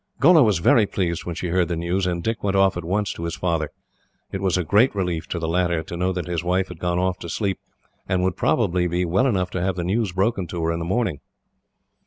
Gholla was very pleased when she heard the news, and Dick went off at once to his father. It was a great relief, to the latter, to know that his wife had gone off to sleep, and would probably be well enough to have the news broken to her in the morning.